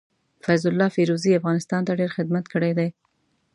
فيض الله فيروزي افغانستان ته ډير خدمت کړي دي.